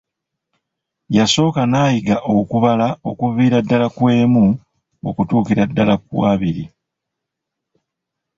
Yasooka n'ayiga okubala okuviira ddala ku emu okutuukira ddala ku abiri.